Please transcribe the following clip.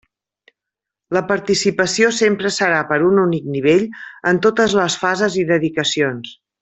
La participació sempre serà per un únic nivell en totes les fases i dedicacions.